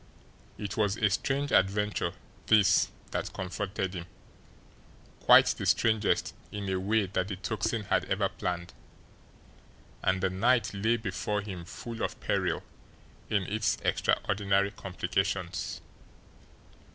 It was a strange adventure this that confronted him, quite the strangest in a way that the Tocsin had ever planned and the night lay before him full of peril in its extraordinary complications.